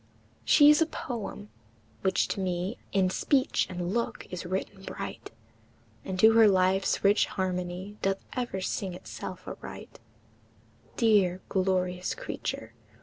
She is a poem, which to me In speech and look is written bright, And to her life's rich harmony Doth ever sing itself aright; Dear, glorious creature!